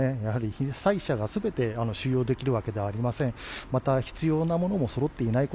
避難所といってもやはり被災者がすべて収容できるわけではありません。